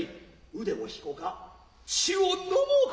腕を引こうか血を呑まうか。